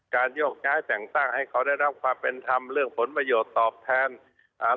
โยกย้ายแต่งตั้งให้เขาได้รับความเป็นธรรมเรื่องผลประโยชน์ตอบแทนอ่า